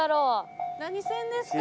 何線ですか？